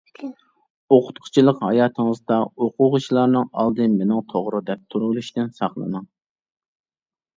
ئوقۇتقۇچىلىق ھاياتىڭىزدا ئوقۇغۇچىلارنىڭ ئالدى مېنىڭ توغرا دەپ تۇرۇۋېلىشتىن ساقلىنىڭ.